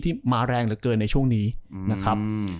มาแรงเหลือเกินในช่วงนี้นะครับ